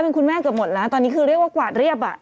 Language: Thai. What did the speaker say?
เป็นคุณแม่เกือบหมดแล้วตอนนี้คือเรียกว่ากวาดเรียบอ่ะ